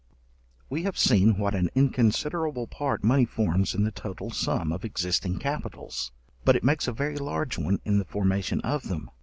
We have seen what an inconsiderable part money forms in the total sum of existing capitals, but it makes a very large one in the formation of them.